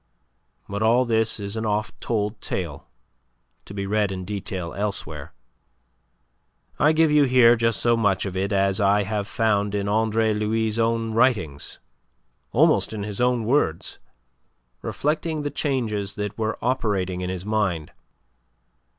But all this is an oft told tale, to be read in detail elsewhere. I give you here just so much of it as I have found in Andre Louis' own writings, almost in his own words, reflecting the changes that were operated in his mind.